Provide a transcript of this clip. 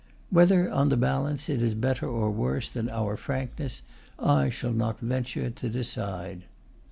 Whether on the balance it is better or worse than our frankness, I shall not venture to decide.